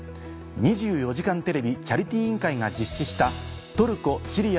２４時間テレビチャリティー委員会が実施した。